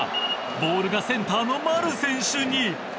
ボールがセンターの丸選手に。